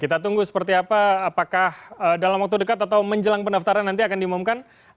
kita tunggu seperti apa apakah dalam waktu dekat atau menjelang pendaftaran nanti akan diumumkan